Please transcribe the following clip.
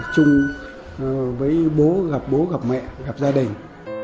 chung với bố gặp bố gặp mẹ gặp gia đình